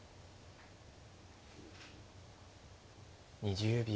２０秒。